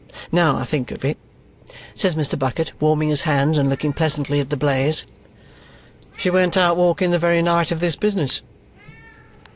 Now I think of it," says Mr. Bucket, warming his hands and looking pleasantly at the blaze, "she went out walking the very night of this business."